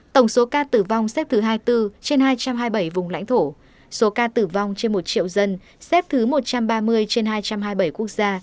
tổng số ca tử vong xếp thứ hai mươi bốn trên hai trăm hai mươi bảy vùng lãnh thổ số ca tử vong trên một triệu dân xếp thứ một trăm ba mươi trên hai trăm hai mươi bảy quốc gia